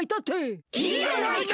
いいじゃないか！